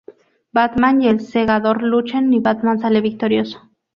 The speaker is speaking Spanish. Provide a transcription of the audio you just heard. Batman y el Segador luchan y Batman sale victorioso.